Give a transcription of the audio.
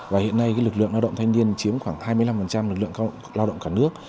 và hiện nay lực lượng lao động thanh niên chiếm khoảng hai mươi năm lực lượng lao động cả nước